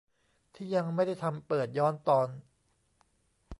ที่ยังไม่ได้ทำเปิดย้อนตอน